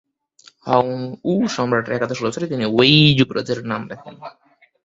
হংউ সম্রাটের একাদশ বছরে তিনি ওয়েই যুবরাজের নাম রাখেন।